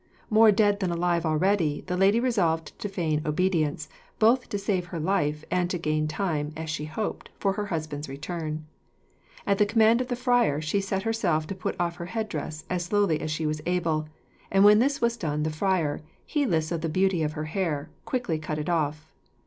More dead than alive already, the lady resolved to feign obedience, both to save her life, and to gain time, as she hoped, for her husband's return. At the command of the friar, she set herself to put off her head dress as slowly as she was able; and when this was done, the friar, heedless of the beauty of her hair, quickly cut it off.